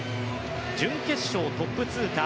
準決勝トップ通過